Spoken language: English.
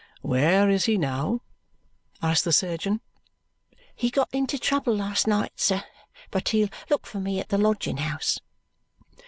"Where is he now?" asks the surgeon. "He got into trouble last night, sir; but he'll look for me at the lodging house."